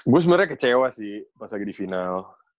gue sebenarnya kecewa sih pas lagi di final